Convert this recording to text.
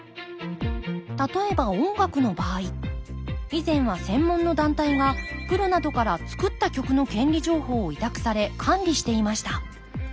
例えば音楽の場合以前は専門の団体がプロなどから作った曲の権利情報を委託され管理していました。